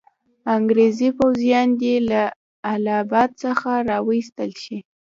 انګریزي پوځیان دي له اله اباد څخه را وایستل شي.